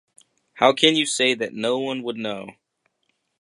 How can you say that no one would know?